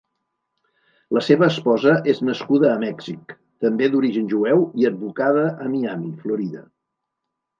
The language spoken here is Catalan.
La seva esposa és nascuda a Mèxic, també d'origen jueu i advocada a Miami, Florida.